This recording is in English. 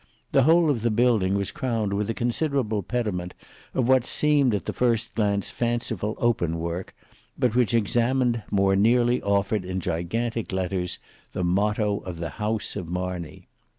The whole of the building was crowned with a considerable pediment of what seemed at the first glance fanciful open work, but which examined more nearly offered in gigantic letters the motto of the house of Marney.